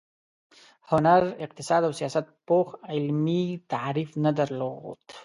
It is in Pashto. هنر، اقتصاد او سیاست پوخ علمي تعریف نه درلود.